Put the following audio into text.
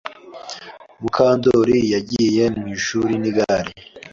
Mukandori yagiye mwishuri nigare.